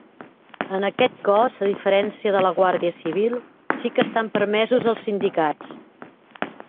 En aquest cos, a diferència de la Guàrdia Civil, sí que estan permesos els sindicats.